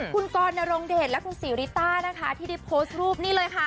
คุณกรนรงเดชและคุณศรีริต้านะคะที่ได้โพสต์รูปนี่เลยค่ะ